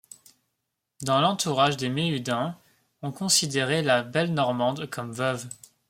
Dans l’entourage des Méhudin, on considérait la belle Normande comme veuve.